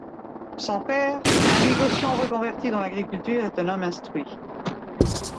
Son père, un négociant reconverti dans l'agriculture, est un homme instruit.